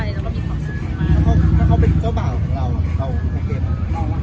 เราก็มันทำใจและมีของสุขทั้งบาง